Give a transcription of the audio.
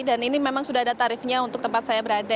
dan ini memang sudah ada tarifnya untuk tempat saya berada